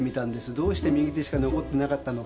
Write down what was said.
どうして右手しか残ってなかったのか。